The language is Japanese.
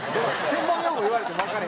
専門用語言われてもわかれへん。